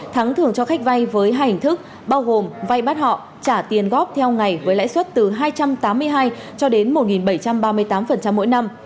thắng thường cho khách vay với hai hình thức bao gồm vay bắt họ trả tiền góp theo ngày với lãi suất từ hai trăm tám mươi hai cho đến một bảy trăm ba mươi tám mỗi năm